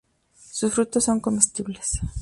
Su frutos son comestibles.